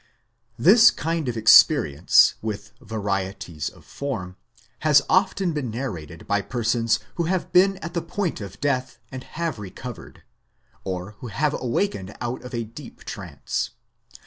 This kind of experience, with varieties of form, has often been narrated by persons who have been at the point of death and have recovered, or who have awakened out of a deep trance.